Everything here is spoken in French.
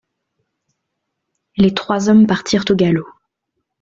Les trois hommes partirent au galop.